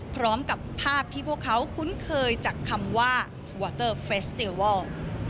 พร้อมกับภาพที่พวกเขาคุ้นเคยจากคำว่าวอเตอร์เฟสเตียวอล